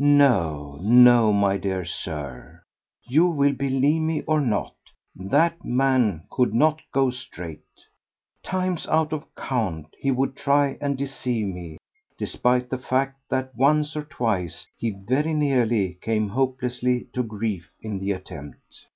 No, no, my dear Sir, you will believe me or not, that man could not go straight. Times out of count he would try and deceive me, despite the fact that, once or twice, he very nearly came hopelessly to grief in the attempt.